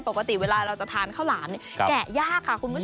ปกติเวลาเราจะทานข้าวหลามเนี่ยแกะยากค่ะคุณผู้ชม